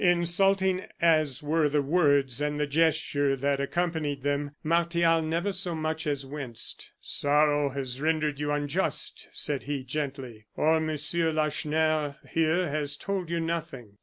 Insulting as were the words and the gesture that accompanied them, Martial never so much as winced. "Sorrow has rendered you unjust," said he, gently, "or Monsieur Lacheneur here has told you nothing."